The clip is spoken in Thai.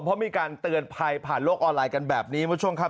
เพราะมีการเตือนภัยผ่านโลกออนไลน์กันแบบนี้คุณผู้ชมครับ